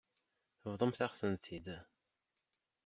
Bḍumt-aɣ-tent-id.